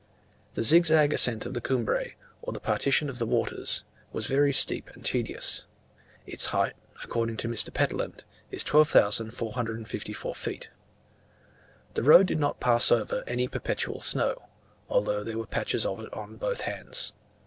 The zigzag ascent of the Cumbre, or the partition of the waters, was very steep and tedious; its height, according to Mr. Pentland, is 12,454 feet. The road did not pass over any perpetual snow, although there were patches of it on both hands.